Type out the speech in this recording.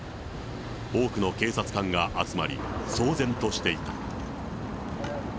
多くの警察官が集まり、騒然としていた。